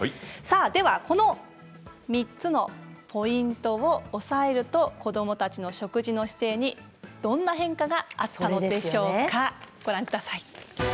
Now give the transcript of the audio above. では、この３つのポイントを押さえると子どもたちの食事の姿勢にどんな変化があったのでしょうか。